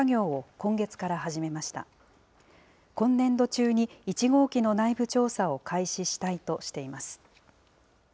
今年度中に１号機の内部調査を開始したいとしています。